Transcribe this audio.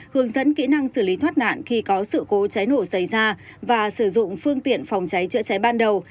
hướng dẫn kỹ năng xử lý thoát nạn khi có sự cố cháy nổ xảy ra và sử dụng phương tiện phòng cháy chữa cháy ban đầu